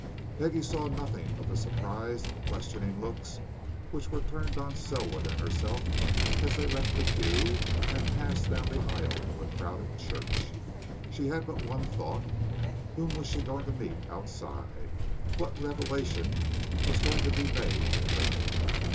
Peggie saw nothing of the surprised and questioning looks which were turned on Selwood and herself as they left the pew and passed down the aisle of the crowded church. She had but one thought whom was she going to meet outside, what revelation was going to be made to her?